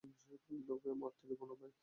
তোকে মরতে দিব না, ভাই।